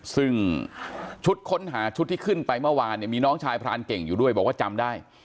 ซึ่งชุดค้นหาชุดที่ขึ้นไปเมื่อวานเนี่ยมีน้องชายพรานเก่งอยู่ด้วยบอกว่าจำได้